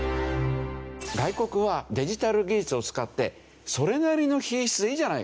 外国はデジタル技術を使ってそれなりの品質でいいじゃないかと。